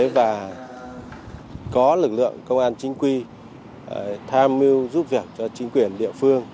và có lực lượng công an chính quy tham mưu giúp việc cho chính quyền địa phương